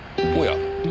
おや。